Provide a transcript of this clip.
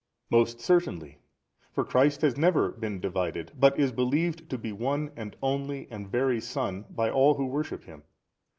A. Most certainly, for Christ has never been divided, but is believed to be One and Only and Very Son by all who worship Him.